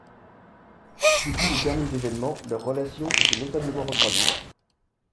Depuis les derniers événements, leurs relations s’étaient notablement refroidies.